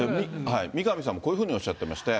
三上さんもこういうふうにおっしゃってまして。